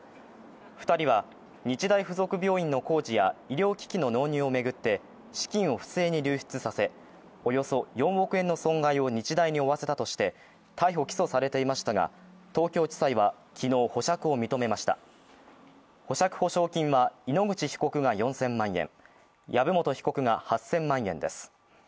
２人は日大附属病院の工事や医療機器の納入を巡って資金を不正に流出させ、およそ４億円の損害を日大に負わせたとして逮捕・起訴されていましたが、東京地裁は昨日、保釈を認めました保釈保証金は、井ノ口被告が４０００万円、藪本被告が８０００万円です。